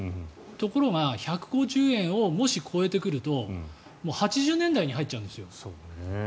ところが１５０円をもし超えてくると８０年代に入っちゃうんですよ。